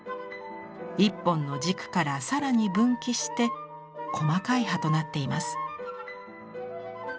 １本の軸からさらに分岐して細かい葉となっています。